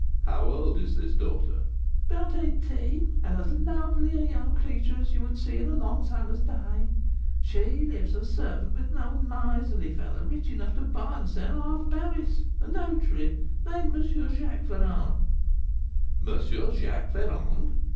"How old is this daughter?" "About eighteen, and as lovely a young creature as you would see in a long summer's day. She lives as servant with an old miserly fellow, rich enough to buy and sell half Paris, a notary, named M. Jacques Ferrand." "M. Jacques Ferrand!"